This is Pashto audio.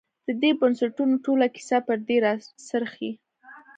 د دې بنسټونو ټوله کیسه پر دې راڅرخي.